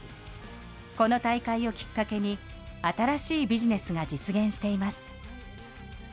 この大会をきっかけに、新しいビジネスが実現しています。